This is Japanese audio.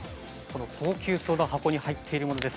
高級そうな箱に入っているものです。